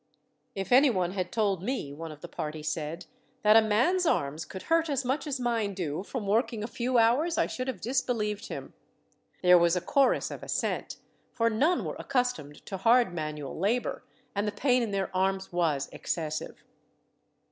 "If anyone had told me," one of the party said, "that a man's arms could hurt as much as mine do, from working a few hours, I should have disbelieved him." There was a chorus of assent, for none were accustomed to hard manual labour, and the pain in their arms was excessive.